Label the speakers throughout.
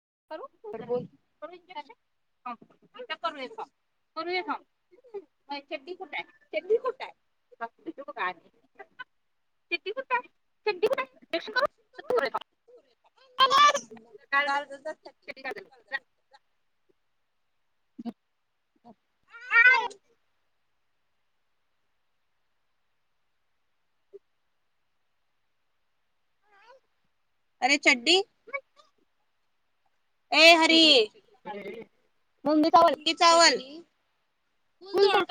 Speaker 1: कर [inaudible]
Speaker 2: करर् [inaudible] ुडीुट आहे [inaudible] [unintelligible]
Speaker 1: [inaudible] ह [inaudible]
Speaker 2: [unintelligible]
Speaker 1: अरे चडी ए हरी
Speaker 2: मुंगी चावल फुल तोड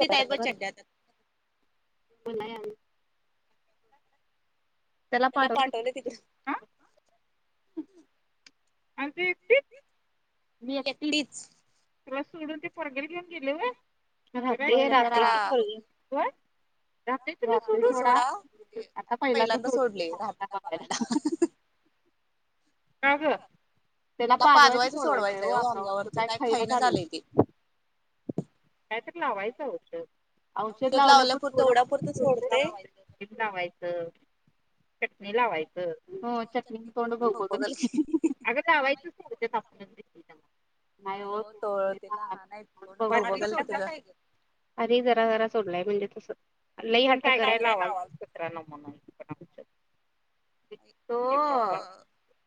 Speaker 2: तिथईब चडड्या
Speaker 1: मणलयम जलापाडून ह अजी
Speaker 2: वक्टच
Speaker 1: तुला सोडून ते पडगेल घेऊन गेले व
Speaker 2: सोडा म्हणजे आता पहिल्यांदा सोडले राहात्री का बघायला ह
Speaker 1: अ ग त्याला पालवा सोडवायच म काय खाईन झाले काय तर लावायचं होष औषध लावलं पण थोडं लायचं लावायचं चटणी लावायचं हो चटणी तोंड बघ बघ अगं वायचं नाहीय ओत अरे जरा जरा सोडलाय म्हणजे तसं लई ह नावातरा न तो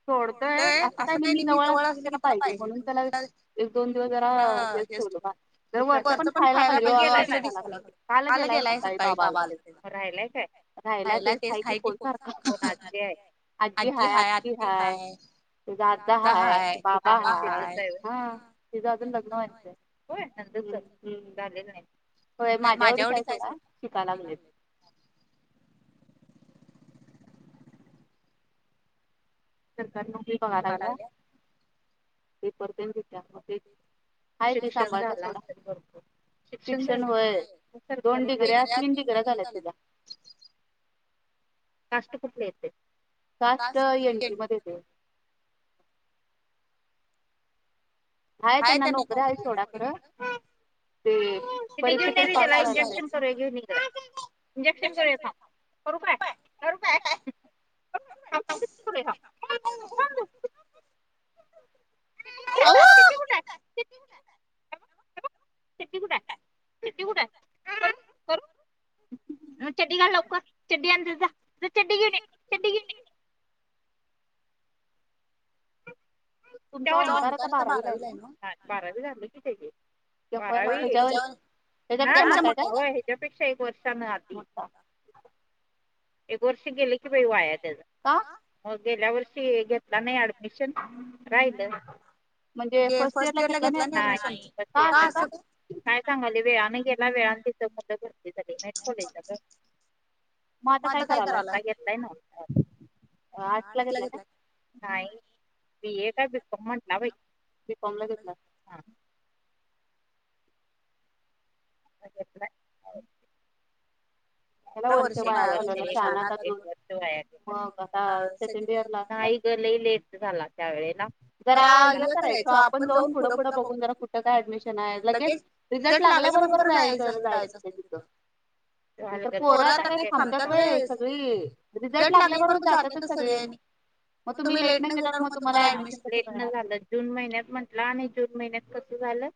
Speaker 1: सोडतोय असं काही नाही मी जवळ अस क त्याला म्हणून त्याला एक दोन दिवस जरा ठेव ज वरच पण खायला पाहिजे ला काल गेलाय सकाळी बाबाला राहिलायचय राहायला तेस काहिती फोल सारखा चे अजी हाय आखी हाय ते ददा हाय आबा हाय, हा तिझं अजून लग्न व्हायचंय होय. [unintelligible] झालेल नाही होय माझ्या एवढीचं हाय सोडा शिकायला लागले ती. सरकार नोकरी बघा लागल्या पेपर तेन दित्या मग ते [unintelligible] ट्युशन होय दोन डिग्रिया तीन डिग्रिया झाल्यात तीझ्या काष्ट कुठली येते? काष्ट एंटी मध्ये येते. आहेत त्यांना नोकऱ्या आहेत सोडा खर. [unintelligible]
Speaker 2: इंजेक्शन करू आता.
Speaker 1: करू काय, करू काय [inaudible]
Speaker 2: आव
Speaker 1: [unintelligible] चडी घाल लवकर, जा चड्डी आनजा जा, जा चड्डी घेऊन ये चड्डी घेऊन ये
Speaker 2: [inaudible]
Speaker 1: तुमचा ओमकार आता बारावीलाआहे काय? बारावी झाली कि तेची. बारावी हेच्यावर त्यो हेच्यापेक्षा मोठा आहे? काय होय हेच्यापेक्षा एक वर्ष एक वर्ष गेले की बाई वाया त्याच का? मग गेल्या वर्षी घेतला नाही ऍडमिशन राहिल. म्हणजे फर्स्ट इयर ला घेतला ना नाही? नाही. का अस का? [unintelligible] मग आता काय करालाय काय घेतलाय नव, आर्ट्स ला घेतलाय काय? नाही. बी ए काय बी कॉम म्हटला बाई, बी कॉम घेतला असेल. घेतलाय. कशाला वर्ष वाया घालवलाय शहाणा आता दोन, एक वर्ष वाया गेले सेकंड इयरला असता. लाई लेट झाला त्या वेळेला. जरा हे करायच. ओ आपण जाऊन पुढं-पुढ बघून जरा कुठं काय ऍडमिशन आहे. लगेच रिझल्ट लाग लागल्या बरोबर जाचयचं तिथ. पोरं आता काय थांबतात. वय सगळी रिझल्ट लागल्याबरोबर जातातच सगळ आनी. मग तुम्हीलेट गेल्यावर मग तुमला ऍडमिशन कधीं क झालं जून महिन्यात म्हंटलं. आणि जून महिन्यात कस झालं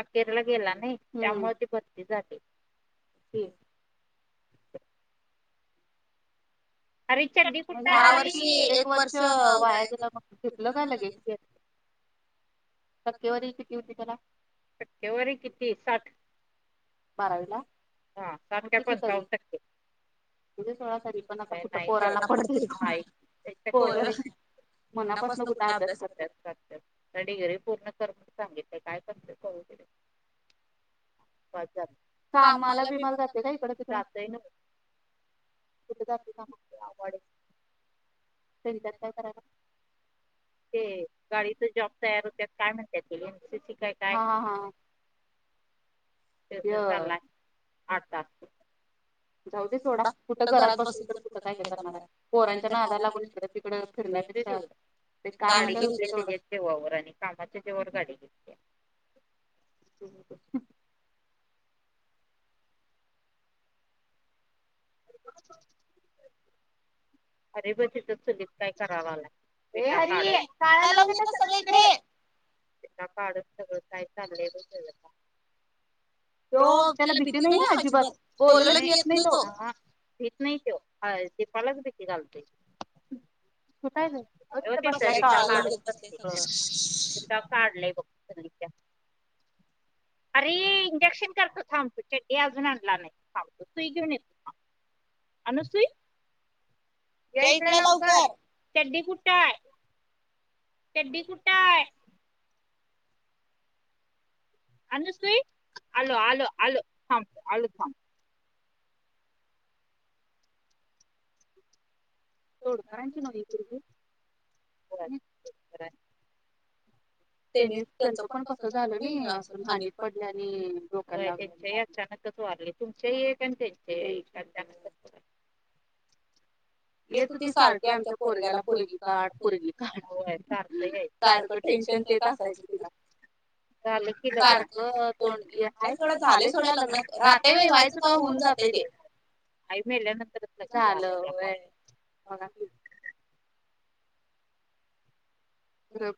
Speaker 1: अखेरला गेला नाही. त्यामुळे ती भरती झाली. [inaudible]
Speaker 2: ह्या वर्षी एक वर्ष वाया गेल सुपलं का लगेच. [unintelligible]
Speaker 1: टक्केवारी किती होती त्याला. टक्केवारी किती साठ. बारावीला हा साठ काय पंचावन्न टक्के. उद्या सोळा तारीख पण आता. पोराना पडतय पोरग. मनापासून कुठ अभ्यास करत्यात डिग्री पूर्ण कर सांगितलं काय करत्यात करूदेत तिकड. कामाला बीमाला जातोय का इकड-तिकड. जातोय नव्ह. कुठे जातोय कामाला. तेच्याात काय करायला? ते गाडीच जॉब तयार होत्या काय म्हणतात. ते काय हा हा. इथेच करायला आठ तास. ह्यो. जाऊ दे सोडा कुठं घरात बसून तर कुठं काय काय करणार पोराच्या नादाला लागून इकडे-तिकड फिरणार. [inaudible] गाडी घेतल्या तेच्याच जी आणि. कामाच्या जेवावर गाडी घेतल्या. हम्.
Speaker 2: ह.
Speaker 1: [inaudible] अरे ब तिथंच सगत काय करावं लाग. काळाला त काळ. सगळ काही चांगलेलता. तो त्याला भीती नाही अजिबात बोललाच येत नाही तो. भट नाही त तेपालगते की घालते. काय काढलंयघ.
Speaker 2: [unintelligible]
Speaker 1: अरे इंजेक्शन करतो थांबतो ड्डी अजून आणला नाही थांबतो तूई घेन येतो थांबत. अनसे या इकड लवकर चंडी कुठ आहे. शडी कुठा आहे. अनुस आलो आलो आलो थांब आलो थांब. तोड करायची न तर् त्यांनी त्यांचं पण कस झालं नाही असं हानिक पडल्या आणि डोक. वारले तुमचेही एक आणि त्यांचे शांनंद.
Speaker 2: [unintelligible]
Speaker 1: येत ती सारखी आमच्या पोरग्याला पुरेली काढ पुरेली काढ. टेन्शन तेेत असायच तिला झालं कि सारखं तोंडय थोडं झालंय थोडं लग्न राहतय व्हायचं तेऊन. आई मल्यानंतर आलं.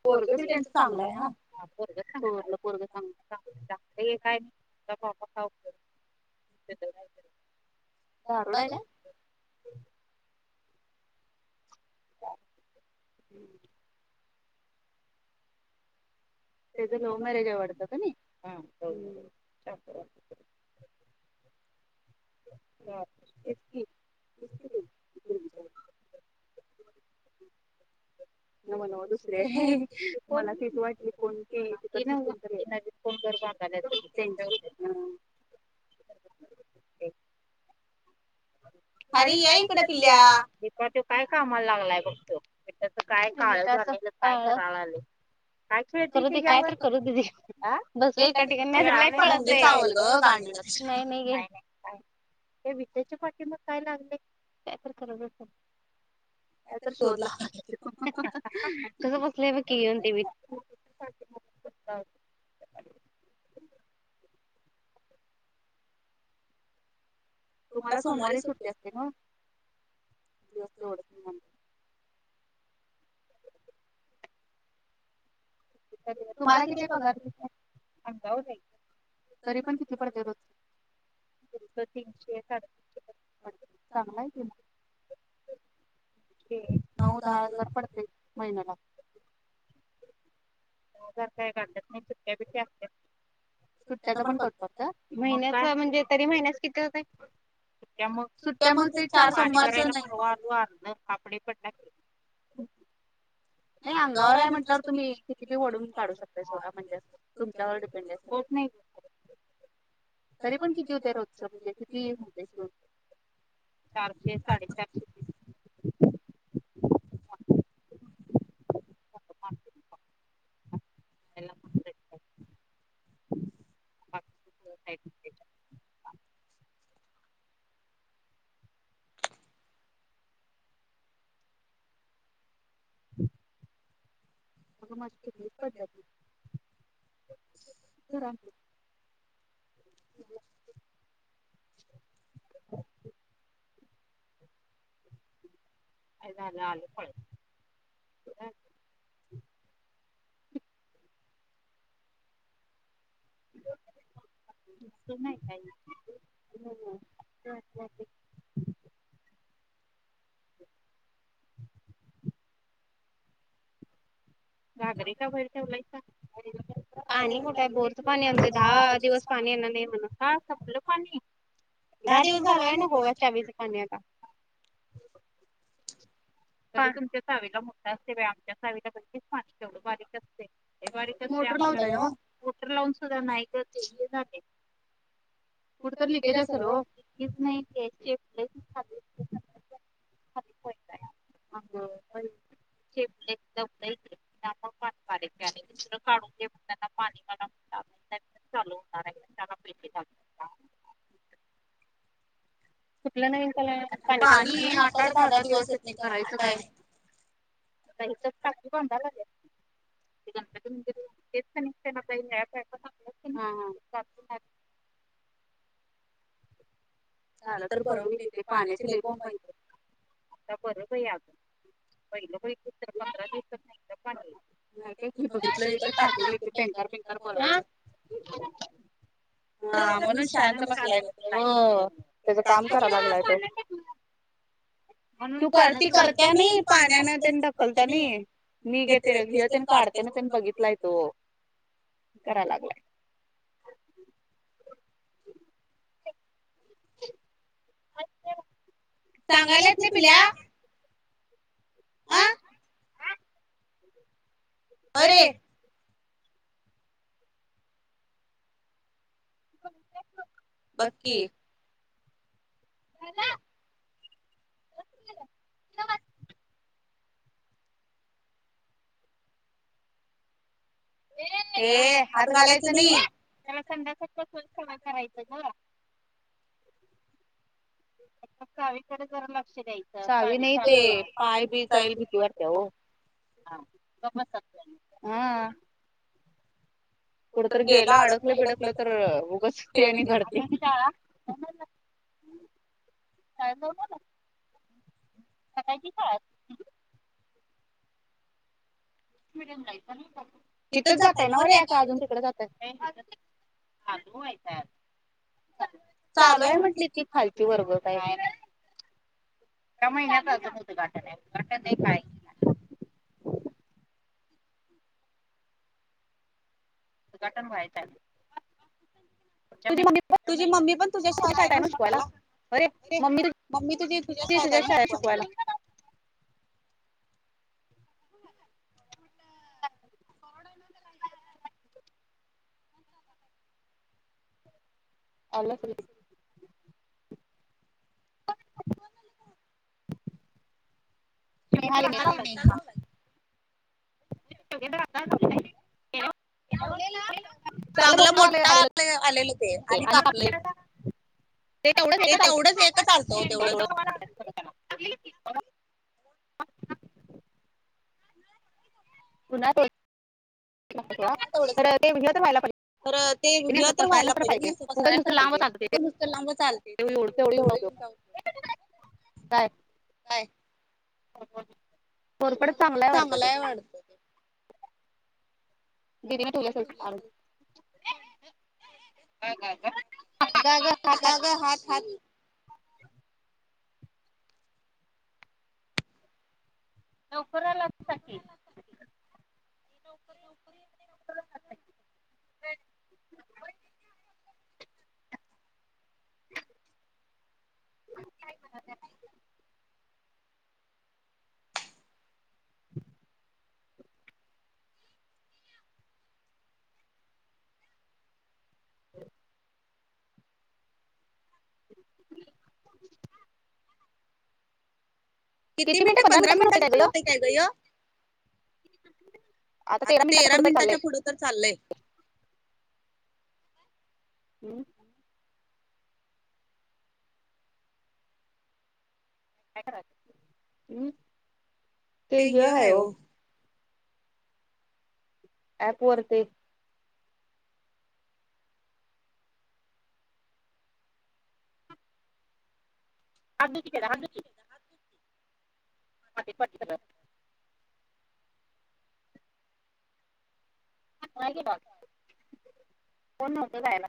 Speaker 1: पोरग दिल्याच चांगलायरग चांगलाय. काय नाहीपाव. दारूड का? हम्म. त्याच लव्ह मॅरेज आवडत का? या.
Speaker 2: इकी इकी कावी च
Speaker 1: नव नव दुसरे मला सीच वाटली. कोणती त कोंर बगां.
Speaker 2: [unintelligible]
Speaker 1: अरी याईकडे तुल्या्या दीपाातो काय काम ला लागलाय बघतो त्या काय कायले का काय करू द बसका ठिकाणी. नाहीय नाही ग हे. त्याच्या पाठी मग काय लागले काय तर कराल का तर शोधला तसं बसले ब क होते मी [unintelligible] तुम्हाला सोमवारी सुट्टी असते ना दिवस तेवढ. तुम्हाला कितीही पगार अंगावर जाय तरी पण किती पडद र होत तीनशे साठशे.
Speaker 2: पररत चांगला त
Speaker 1: नऊ दहा हजार पडते महिन्याला जर काय घात नाही चटक्या बिट्या असत. सुट्ट्याचा पण पटतता महिन्याचा म्हणजे तरी महिन्यास किती जातय. मग सु्या मग ते चार वाारलं आपडे पण नाही अंगावर आहे म्हटणार तुम्ही किती वढून काढू शकताा म्हणजे तुमच्यावर डिपेंड. तरी पण कितीेत र उजसजे कितीस चारशे साडे चारशे हम म मझपप लाली
Speaker 2: वराती
Speaker 1: ह अला आलेपळी नाही काही
Speaker 2: अ
Speaker 1: घागरे का भैर ठेवलायां पाणी कुठे आहे भोरचं पाणी आणत दहा दिवस पाणी येणार नाही म्हणत का सगलं पाणी दहा दिवस घलोय नकोघ वीस पानण्या का तुमच्या चावीला मोठा असते व आमच्या वीलाण पाणीवढं बारीक असते मोटर लावतात मोटर लावून सुधा नाही कुठ तर लिकेज असेल होच नाहीली ह का ण पाच वा ज काडूगे त्यांना पाणी चालूणार आहे पै कुठलं नाही आठ आा दिवस
Speaker 2: करायचं काय
Speaker 1: इथ टाकी बांधालाग हं हं झालं तर बर तिथे पाण्याचे प पहि पंधरा दिवस नाही तर प नाही काय बघितलं बँं बिंकर बला ह म्हणून शांत बसलाय त्याच काम कराव लागलाय ते तू करती करते मी. पाण्याने त्यान ढकलत मी. न गे ते हे तन काडतेन तन बघितलाय तो? करायला लागलाय. सांगायलात नाही पिल्या. होय रे? बघ की. ये हात घालायचं नाही. संडासात कस सवा करायचं झाला? फतविषार जरा. वी नाही ते पाय बी चाईल भीती वारते हो. ग हम. कढ तर गेलं अडकलं बिडकलं तर उघसते आणि झडते. काय? सकाळची शाळा आहे का? तिथच जातय नाव? आता अजून तिकडे जातय? चालूयतात. चालूय म्हंटली ती फालती वर्ग काही नाही. या महिन्यात आता कुठे काय? [unintelligible] उद्घाटन व्हायचं.
Speaker 2: तुझी मम्मी पण तुझ्या शाळेत आहे ना शिकवायला? अरे मम्मी तुझी तुझ्या शाळेत आहे ना शिकवायला?
Speaker 1: आल असल की. ह.
Speaker 2: मी हाली मी.
Speaker 1: द [unintelligible] च आले [unintelligible] ते कावलं. [unintelligible] पुन्हा ते नव्हतं व्हायला पाहिजे.
Speaker 2: तर ते हे तर व्हायला पाहिजे म असं पसरायलाच पाहिजे नुसतं लांब चालते तेवढ. त.
Speaker 1: काय? फोलपड चांगलाय वाटतो ते. दीदीने ठेवलं असल. ह का? लवकर आला?
Speaker 2: नोकऱ्याला नोकरी येत नाही म्ह नोकऱ्या. किती मिनिटे पंधरा मिनिटाच पण होते काय ग? आता तेरा मिनिटाच्या पुढं तर चाललय.
Speaker 1: हम्म. ह ते ह ह हो. ऍप वर ते. हती तू की त्याचा हात धु की. पाट पट. बघ कोण नव्हत जायला.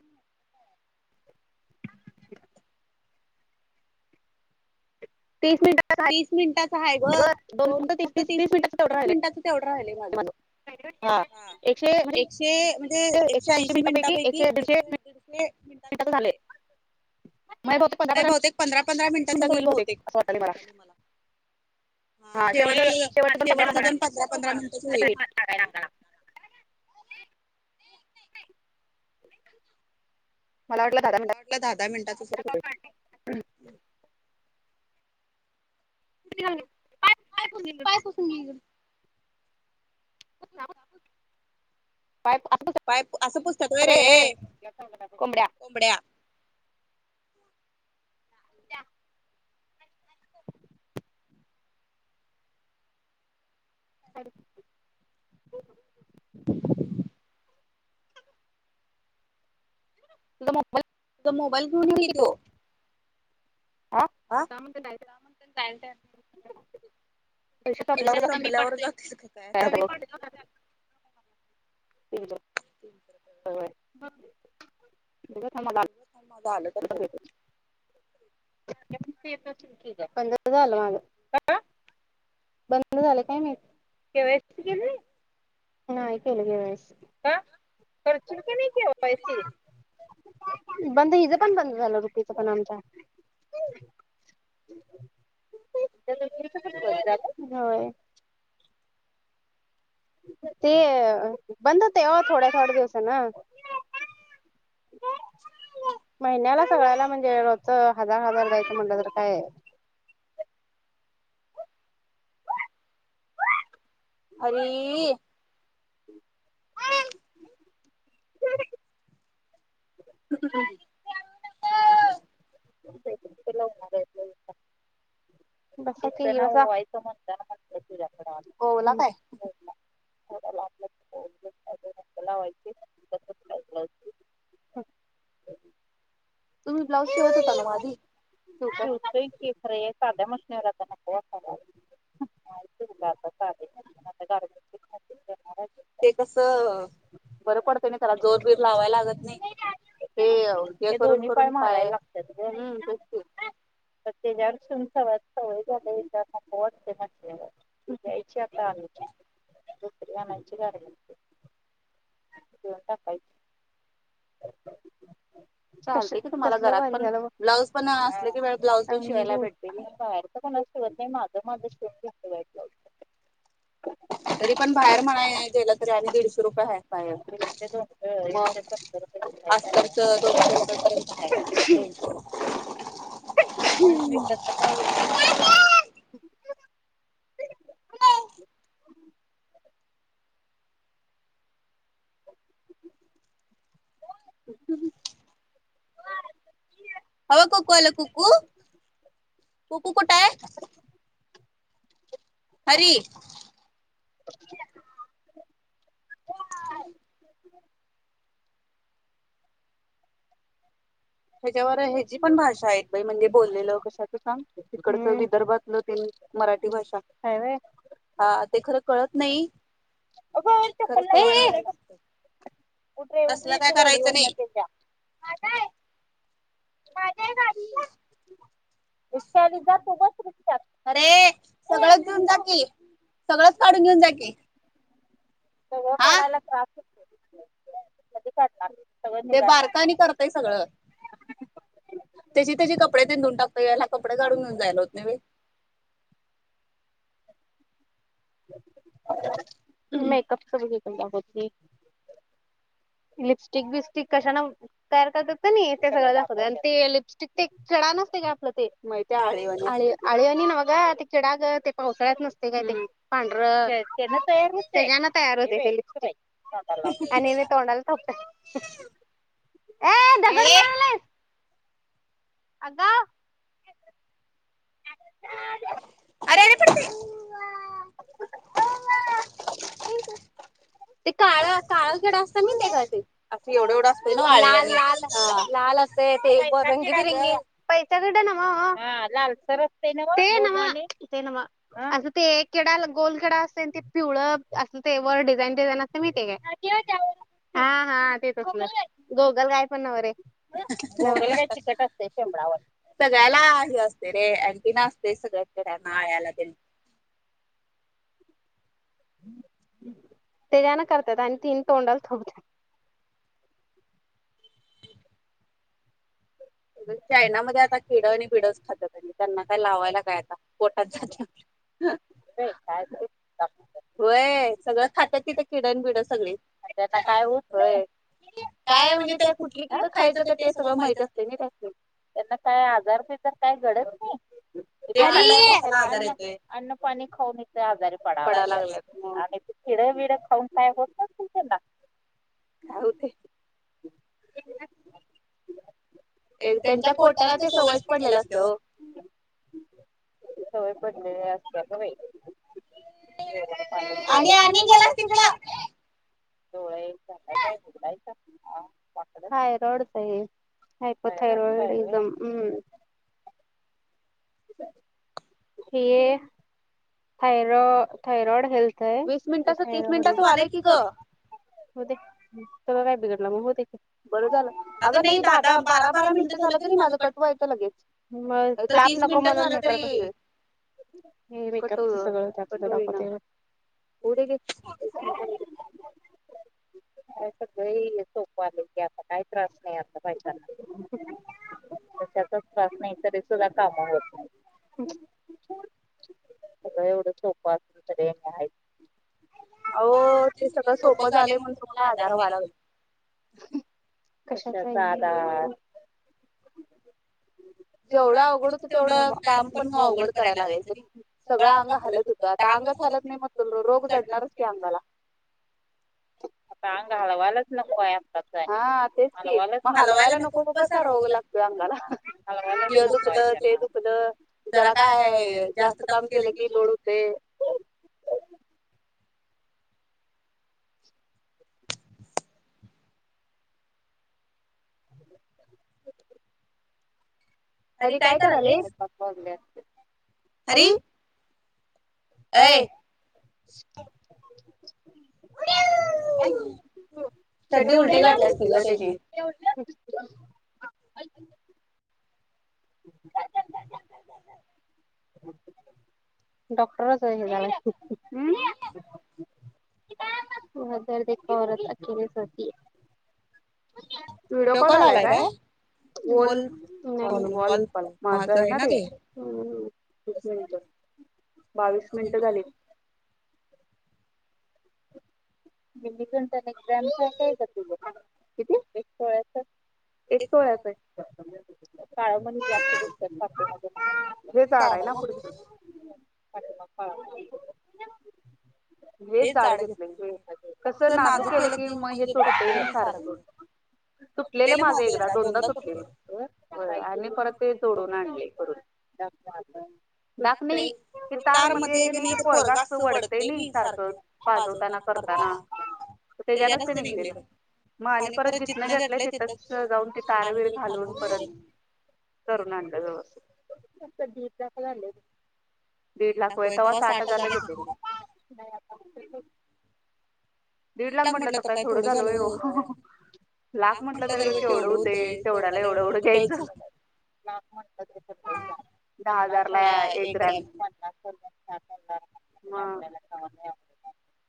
Speaker 1: तीस मिनिटा रा दोन कटं ती तीस तीस मिनिटाचं तेवढं राहिल माझं. हा एकशे
Speaker 2: एकशे ऐंशी मिनिटापैकी एकशे दीडशे मिनिटाच झाले. नाही बहुतेक पंधरा पंधरा मिनिटात होईल बहुतेक अस वाट मला. हा शेवटच शेवट तजन पंधरा पंधरा मिनिट होईल प
Speaker 1: मला वाटलं ददा म्हण
Speaker 2: कयस पाय पुसून घ ह पाय असं पुस्तकत रे कोंबड्या
Speaker 1: का अ
Speaker 2: अ
Speaker 1: लम
Speaker 2: तुझ मोबाईल घेऊन की तो
Speaker 1: ह म्ह नाही
Speaker 2: वर
Speaker 1: तज ह
Speaker 2: तलत
Speaker 1: [unintelligible] पंधरा झालं माझं. पंधरा? बंद झालं काय माहित. के वाई सी केली नाहीस? नाही केल ग या वळेस. का करतो बंद हिज पण बंद झालं रुपीच पण आमच्या. [unintelligible] होय. ते बंद होते हो थोड्या थोड्या दिवसान.
Speaker 2: [unintelligible]
Speaker 1: महिन्याला सगळ्यायला म्हणजे रोज हजार हजार दयचं म्हणलं तर काय.
Speaker 2: [unintelligible] हरी. [unintelligible]
Speaker 1: हम्म [unintelligible] म्हणतान म्हणलं तुझ्याकड आलो. ओवला काय? ओवला. [unintelligible] [unintelligible] [unintelligible] तुम्ही ब्लाऊज शिवत हुता न्हव आदी? शिवतोय की खर हे साद्या मशनीला आता नको वाटायलागलय. नाही शिवलो आता साध्यामशनिवर आता गारमेंटची
Speaker 2: ते कसं
Speaker 1: बरं पडतं नाही त्याला जोर बीर लावायला लागत नाही. ते दोनी पाय मारायला लागत्यात. ग म तेच की तर तेच्यावर ठेऊन [unintelligible] सवय झालय. [unintelligible] नको वाटतयं म्हंटल्यावर द्यायची आता आणून. मच [unintelligible] चालतंय की तुम्हाला घरात पण ब्लाउज पण असल की वेळ ब्लाऊज पण शिवायला भेटते नई. शिवत नई माझं माझं शिवून घेतोय बई ब्लाउज. तरी पण बाहेर म्हणाय गेलं तरी आणि दीडशे रुपये आहे बाहेर. दीडशे, दोनशे एकशे सत्तर रुपये. आस्तरच दोनशे रुपये पर्यंत हाय बाहेर हम्म. ते कसं का होईना
Speaker 2: [inaudible] अ कूकू आला कुकू. कुकू कुठ हाय? हरी.
Speaker 1: [unintelligible] ह्याच्यावर ह्याची पण भाषा आहेत बई, म्हणजे बोललेल. कशाच सांग? तिकडच विदर्भातलं तेन. मराठी भाषा. हाय व्हय? हा ते खरं कळत नई. ए ए. तसल काय करायचं नई
Speaker 2: माझं हाय काकी.
Speaker 1: रिक्षा आली जातो बस रिक्षात. अरे सगळेच जून जा की. सगळंच काढून घेऊन जा की. सगळ काढायला त्रास होतंय. कधी काढणार? तेे बारका आणि करतय सगळं.
Speaker 2: [unintelligible] त्याजी त्याजी कपडे तेन धून टाकतोय. याला कपडे काढून घेऊन जायला होत नाही व्हय. [inaudible]
Speaker 1: मेकप कधी करणार होती? लिपस्टिक बिस्टिक कशाना तयार करत्यात कणी ते सगळं दाखवत्यात आणि ते लिपस्टिक ते खिडा नसते का आपलं ते. माहितीय आळवाणी असतय ते, आळीवाणी न्हव ग ते किडा ग पावसाळ्यात नस असतय काय ते पांढर तेजान तयार होते ते लिपस्टिक आणि मी तोंडाला थाप ए दगड मारालायस? आग अरे
Speaker 2: हम [unintelligible]
Speaker 1: ते काळ काळड असत अगदी अस लाल लाल असते ंगी फिरिंगी पैच्याकड ना म लालसर असते ना ते ना म [unintelligible] ते नव्ह अग ते केडा गोलकेडा असत ते पिवळ अस ते वर डिझाईन डिझाईन असते माहिती आहे का? हा हा तेचच ना गोगल गाय पण नवरे तिकट असते शेंमडवर सगळ्याला हे असते. अंटी ना असते सगळ्याकडनाळला ते ते जना करतात आणि तीन तोंडाल थोपतात. चायनामध्येध्ये आता किड आणि पिड खातजे त्यांना काय लावायला काय आता पोटात जाते बय [inaudible] होय सगळं खातात तिथे किडन बिड सगळी त्याचा काय उपयोग होय. काय म्हणजे त्या कुठली किड खायचं का ते सगळं माहित असते ना त्यासनी त्यांना काय आजार बिजार काय घडत नाही?
Speaker 2: [unintelligible]
Speaker 1: अन्न पाणी खाऊन इथ आजारीला लागल्यात हिड बिड खऊन काय होत नसलं त्यांना? त्यांच्या कोट्याला ते सवयस पडलेला असत हो सवय पडलेली असते ग बाई आणि आणि गेला तिकड काय रडतय हायपर थायरॉईड एकदम हम्म. हे थाय थायरोइड हेल्थ वीस मिनिटच तीस मिनिटच होयलंय की ग होदे तुला काय बिघडलं मग होउदे. बर झालं अगं नाही दहा दहा बारा बारा मिनट झालं तरी माझं कटवायचं लगेच कमद् [unintelligible]
Speaker 2: पुढे घ [unintelligible]
Speaker 1: सगळं सोपं आले की आता काही त्रास नाही आता बायकांना अशाचाच त्रास नाही त त्या कामा होत नाही. म एवढं सोपं असल त रे अ ते सगळं सोपं झालं म्हण तुम्हाला हजार बारा होते.
Speaker 2: [unintelligible]
Speaker 1: कशाचा आधार. जेवढं अवघड होतं तेवढं काम पण अवघड करायला लागयच. सगळं अंग हालत होतं आता अंग हचालत नाही मग त रोग चडणारच की अंगाला.
Speaker 2: [unintelligible]
Speaker 1: आता अग हलवालाच नाको होयात. हा तेच की हलवायला नको तर कसा रोग लागतो आम्हाला ते दुखलं जरा काय जास्त काम केलं की लोड होतय. [unintelligible] अधी कायतराला [unintelligible]
Speaker 2: अरीे [unintelligible]
Speaker 1: अए
Speaker 2: [unintelligible]
Speaker 1: चडी उलटी घातलीत ग तेची. डॉक्टर स हे ग.
Speaker 2: हम [unintelligible]
Speaker 1: ब दर्द औरत अकलीच होती [unintelligible] व्हिडिओ कॉल आलाय काय. वाल्ल् माझ आहे ना रे. स मिनिट बावीस मिनिटं झालीत. म निघूनता ग्राम त किळ्या [unintelligible] एक सोळ्याच. काळ म्हण जास्त दिसताते झाड आहे ना पुढची ह हेच झाडं घेतलंय. कस नाजूक केलं की मग हे तोटत नाही सार तटलेलं माझं एकदा दोनदा तटले आणि परत ते जोडून आणले करून धन्यवाद.
Speaker 2: नाही तार मध्ये नाही पोरग अस वढत नाही सारखं वाजवताना करताना
Speaker 1: तर तेच्यानचत नाही गलेला. मग आणि परत जिथनं घटलंय तिथंच जाऊन ती तारवीर घालून परत. तरुणांंदजवळ झा दीड लाख वय तेव्हा साठ हजारच येते. दीड लाख म्हटलं तर काय थोडं झालोय. लाख म्हटलं तरी बघ केवढं होते तेवढ्याला एवढं एवढं घ्यायचं. लाख म्हणतात दहा हजार ला एक ग्रॅम. मम [unintelligible]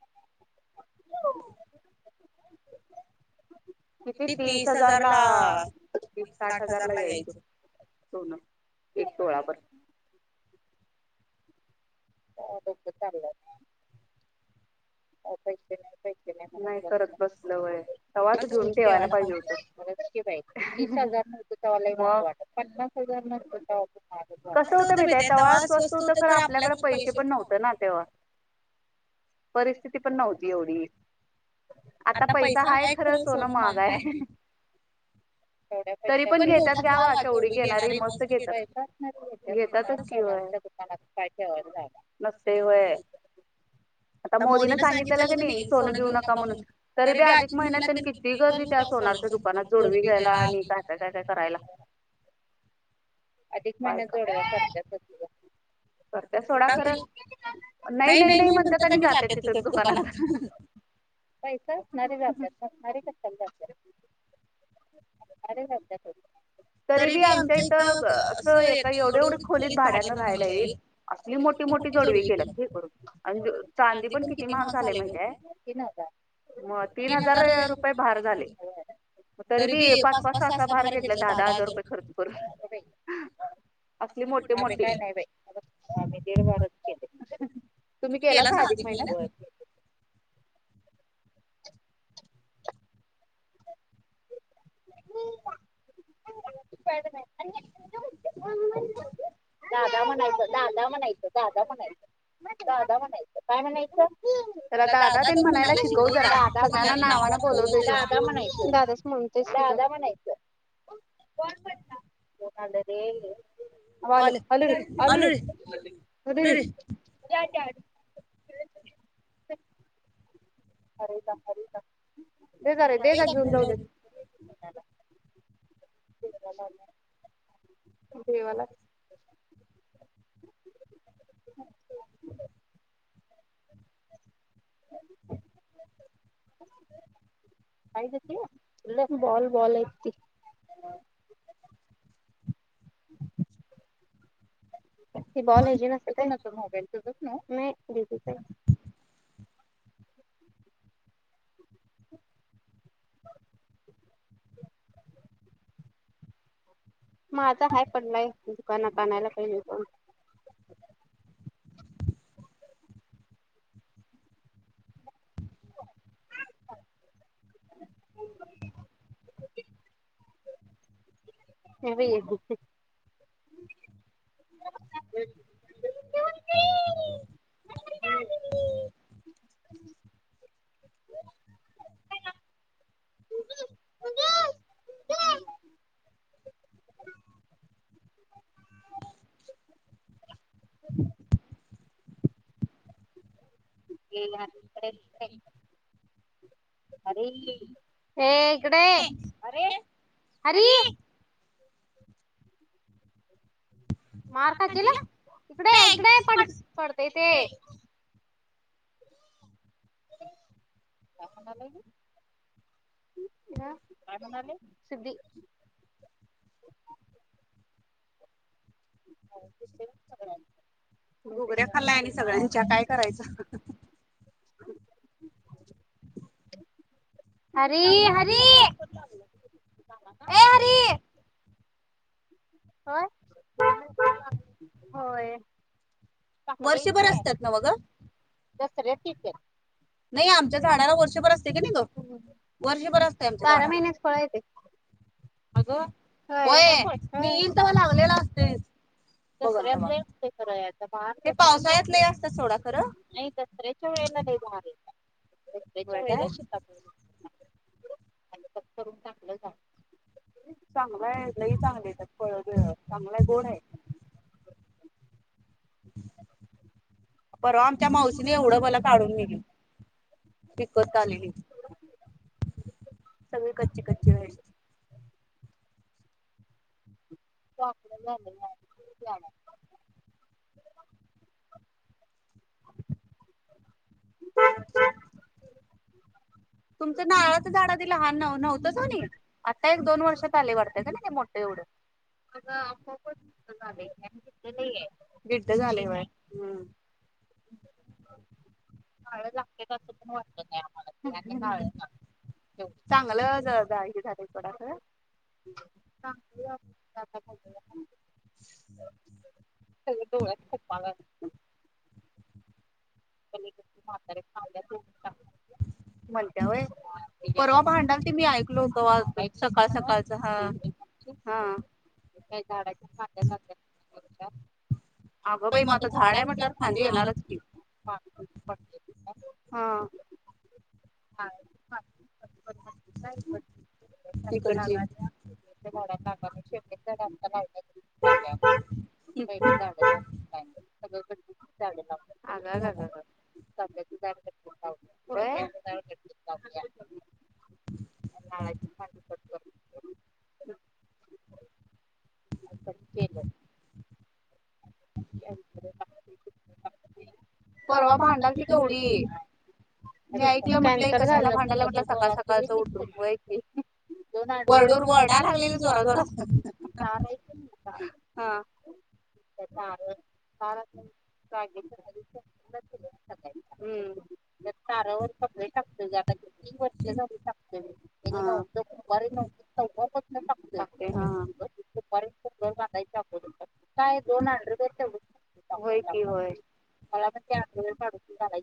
Speaker 1: किती तीस हजार ला तीस साठ हजारला यायचे. सोन एक तोळावर. होल पै [unintelligible] नाही करत बसलं व आवाज घेऊन ठेवायला पाहिजे होत. ला पन्नास हजार न कसं होतं मी ते चवळ स्वस्त होत खर आपल्याकडे पैसे पण नव्हत ना तेव्हा परिस्थिती पण नव्हती एवढी आता पैसा हाय खरं सोनं महाग आहे.
Speaker 2: ह [unintelligible]
Speaker 1: तरी पण घेतात गावा केवढी घेणार मस्त घेत घेतातच श मला [unintelligible] नसतय व्हय
Speaker 2: आता मोदीने सांगितलेलं क नाही सोनं घेऊ नका म्हणून, तरी बी अधिक महिन्यात तेन किती गर्दी त्या सोन्याच्या दुकानात दुकानात जोडवी घ्यायला आणि धागा बिघा करायला
Speaker 1: अधिक माहिन्यात जोडाव्या करत्यातच ग सोडा ग नाही नाही नाही म्हणतायत आणि जात्यात तितच दुकानात पैसं असणारी जात्यातच नसणारी कशाला जात्यात? तरी बी आमच्या इथं असं एका एवढे एवढे खोलीत भाड्यान राहायला हाइत असली मोठी मोठी जोडवी केल्यात हे करून आणि चांदी पण किती महाग झाले माहितीे हाय? तीन हजार मग तीन हजार रुपये भार झाले, तरी बी पाच-पाच, सहा-सहा भार घेतल्यात दहा हजार रुपये खर्च करून, अगंबाईअसले मोठे मोठे.. आम्ही काय नाही बाई आम्ही दीड भारच केले, तुम्ही केलासा अधिक महिन्यात?.... होय केलं की [unintelligible]
Speaker 2: [unintelligible]
Speaker 1: दादा म्हणायच, दादा म्हणायच, दादा म्हणायच, दादा म्हणायचं काय म्हणायचं?
Speaker 2: [unintelligible]
Speaker 1: जरा दादा तेन म्हणायला शिकव जरा, सगळ्यांना नावानं बोलवतोय तो दादा म्हणायचे, दादाच म्हणतोयेच की दादा म्हणायचं बॉल पडला.
Speaker 2: मी आलं अल आलरे आलरे आलरे.
Speaker 1: [unintelligible] खरीता खरीता दे जा दे जा घेऊन जाऊ देत देवाला आल्या देवाला [unintelligible]
Speaker 2: [inaudible]
Speaker 1: [unintelligible] काय देती बॉल बॉल ऐती [unintelligible] ती बॉल ह्याजी नसलय ना तो मोबाईल देतायत ना नाही [unintelligible] माझा आहे पडलाय दुकानात, आणायला पाहिजे जाऊन मी बी एक
Speaker 2: [unintelligible] उंडी उंडी उंडीच्या गुंडी घे घे
Speaker 1: [unintelligible] अरे ये हित ये इकडे.. अरे हरी. मार खाशील अ इकडे ये इकडं ये पडतंय ते [unintelligible] काय म्हणालय ग ह काय म्हणालय.. सिद्धी
Speaker 2: [unintelligible] घुगऱ्या खाल्ल्याय आणि सगळ्यांच्या.. काय करायचं
Speaker 1: हरी हरी ए हरी होय होय वर्षभर असत्यात नवं ग दसऱ्यात येत्यात. नाही आमच्या झाडाला वर्षभर असते की नाही ग वर्षभर असत बारा महिन्याच फळ आहे ते अग व्हय मी इल तवा लागलेले असतयच. दसऱ्यात लय ऊटतय खर यांचा भार ते पावसाळ्यात लय असतय सोडा खरं नाई दसऱ्याच्या वेळेऽऽ [inaudible] दसऱ्याच्या वेळेला काय आता करून चांगलं झालं चांगलं आहे ही लय चांगली. फळंबिळं चांगला य गोड हाय.
Speaker 2: परवा आमच्या मावशीन एवढं बला काढून निली. खुपचं आली.
Speaker 1: सगळ कच्ची कच्ची राहिली. [inaudible]
Speaker 2: [unintelligible]
Speaker 1: तुमचं नारळाचं झाडं आधी लहान नवं नव्हत व्हनी आता एक दोन वर्षात आलेय वाटतय क नाई ते मोठं एवढं आपोआप च मोट झालंय अण झाले नाहीे या गिड्ड झालय वय हम्. झाडं लागते असं पण वाटत नाही आम्हाला. काळंच लागतय चांगलं जा हे झालय सोडा खरं हा. [inaudible] सगळ डोळ्यात खुपाय लागलय. पलिकडची म्हातारी कावत्या.. म्हणत्या वय. परवा भांडाल ती, मी ऐकलो तवा सकाळ सकाळच हा, हा.. काय झाडाची फांद्या जात्यात, अ गं बाई म आता झाड हाय म्हटल्यावर फांदी येणारच की. हम.. [inaudible] [inaudible]
Speaker 2: अ.
Speaker 1: चाफ्याची झाडं तर किती लावल्या. झाडाची फांदी कट करत्याऽऽ, कट केलं. [inaudible] [unintelligible] म ऐकलं म्हटलं,, ए भांडायलालं सकाळ सकाळच उठून, वरडूर वरडा, [inaudible] हमम, त्या तारावर कपडे टाकतोय ग आता किती वर्ष झाली टाकतोय मी. दुपारी नव्हतं, पहिल्या पासनं टाकतोय. दूपारी टाकाायच्या [unintelligible] मला त्यायच. काढुन घालाय.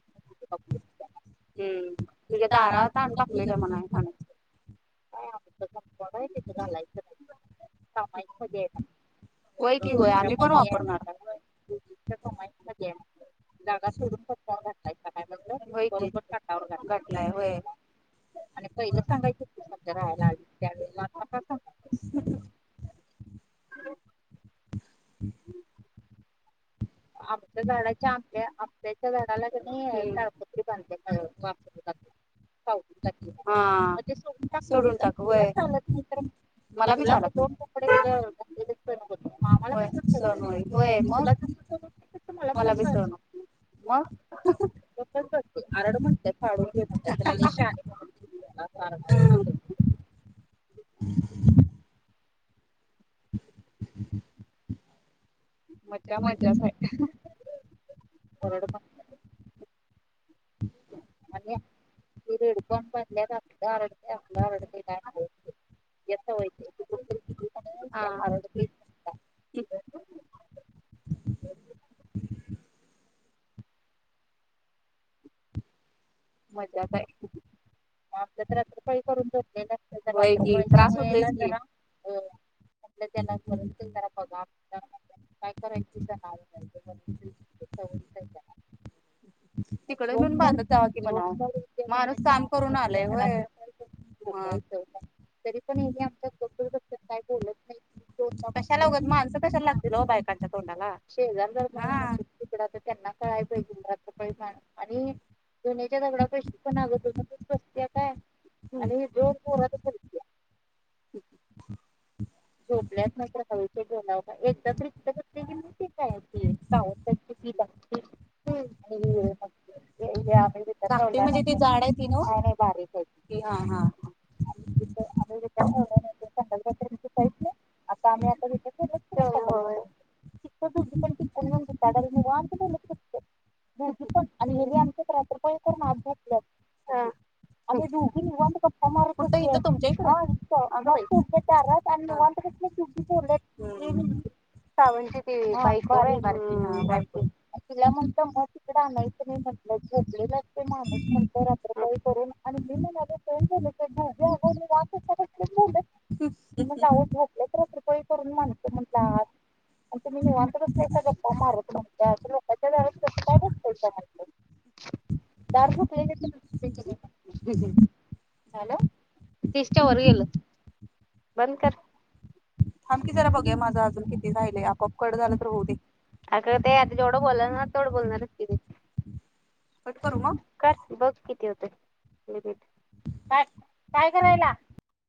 Speaker 1: हम्ऽ तुझ्या दाऽऽरात आनुन टाकलोय काय मनायचं, हय, बघायचं तिथं घालायचं. होय कि होय आम्ही पण वापरणार. सामायिक मध्ये हाय,,, जागा सोडून पत्यावर घालतायसा, होयकी आणि पहिले सांगायच की सध्या राहायला आलोय त्यावेळेला,
Speaker 2: [inaudible]
Speaker 1: ह. आपल्या झाडाच्या आपल्या आपट्याच्या झाडाला क नै ताडपत्री बांधत्या, [unintelligible] ा सोूडून टाक सोडून टाक, वय. मला बी कांडा, तुला दोन कपडे घातलेलं सन होत नाही. मग आमाला कसं सन हूईल,,, व्हय.. मला विचारु नको. मग,, तसच असतंय आरड म्हणत्या फाडून घिन म्हणत्या. तला लय शानीऽऽ [unintelligible]
Speaker 2: [inaudible] [unintelligible]
Speaker 1: मज्जा मज्जा हाय, करोड. आणि, असलं अरडतंय की, [inaudible]
Speaker 2: हम्
Speaker 1: मज्जाच हाय, होय की त्यामुळे जरा त्रास होतंय की, आपलं त्याना बरल जरा पगार [unintelligible] काय करायच. [unintelligible] तिकडे घेऊन भांडत जावा कि म्हणाव माणूस काम करून आलाय होय. तरी पण हे आमच्या काय बोलत नाही. माणसं कशाला लागतील ओ बायकांच्या. [unintelligible] [unintelligible] [unintelligible] [unintelligible] [inaudible] [unintelligible] [inaudible] [unintelligible] पण हे आमच्याात रात्रपाळी करून आत झोपल्यात आम्ही दोघी निवांत गप्पा मारत बसलोय कुठं तुमच्या इथं अग बाई [unintelligible] तिला म्हणत मग तिकडं आणायचं नाही म्हटलं [unintelligible] [unintelligible] अन तुम्ही निवांत बसलायसा गप्पा मारत म्हटल्या लोकांच्या दारात कस काय बसताय म्हटलं [unintelligible] हॅलो तीस च्यावर गेलं बंद कर थांब की जरा बघूया माझं अजून किती राहिल आपोआप कट झालं तर होऊ दे अग ते आधी जेवढ बोलल तेवढ बोलणारच की
Speaker 2: ह [unintelligible]
Speaker 1: कट करू मग कर बघ किती होतंय काय काय करायला